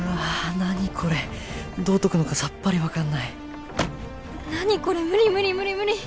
何これどう解くのかさっぱり分かんない何これムリムリムリムリ